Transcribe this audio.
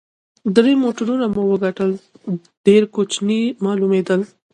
درې موټرونه مو وکتل، ډېر کوچني معلومېدل.